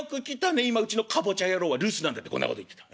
今うちのカボチャ野郎は留守なんだ』ってこんなこと言ってた。